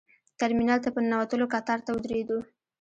ترمینل ته په ننوتلو کتار ته ودرېدو.